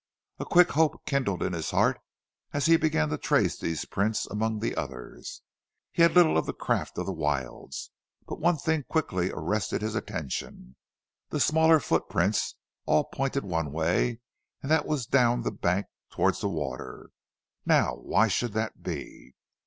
A quick hope kindled in his heart as he began to trace these prints among the others. He had little of the craft of the wilds, but one thing quickly arrested his attention the smaller footprints all pointed one way and that was down the bank towards the water. Now why should that be?